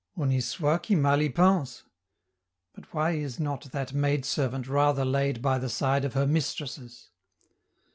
'Honi soit qui mal y pense', but why is not that maidservant rather laid by the side of her mistresses?